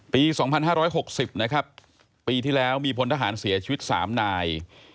ปี๒๕๖๐นะครับปีที่แล้วมีพลทหารเสียชีวิต๓นาย